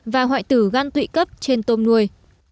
và hoại tử gan tụy cấp trên tôm nuôi